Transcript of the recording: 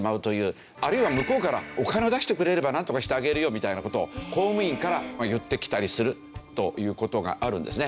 あるいは向こうから「お金を出してくれればなんとかしてあげるよ」みたいな事を公務員から言ってきたりするという事があるんですね。